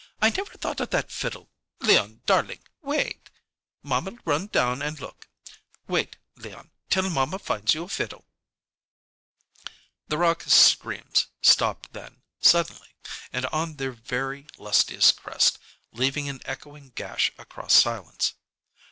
I never thought of that fiddle. Leon darlink wait! Mamma'll run down and look. Wait, Leon, till mamma finds you a fiddle." The raucous screams stopped then, suddenly, and on their very lustiest crest, leaving an echoing gash across silence.